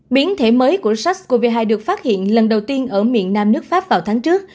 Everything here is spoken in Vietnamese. biến thể mới của sars cov hai được phát hiện lần đầu tiên ở miền nam nước pháp vào tháng trước